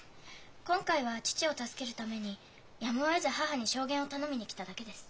今回は父を助けるためにやむをえず母に証言を頼みに来ただけです。